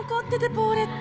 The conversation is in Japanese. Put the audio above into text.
ポーレット